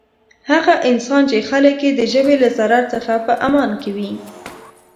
هغه انسان چی خلک یی د ژبی له ضرر څخه په امان وی.